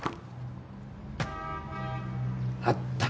あった。